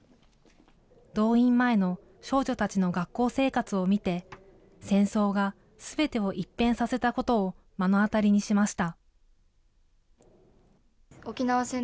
動員前の少女たちの学校生活を見て、戦争がすべてを一変させたことを目の当たりにしました。